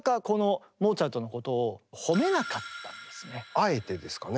あえてですかね？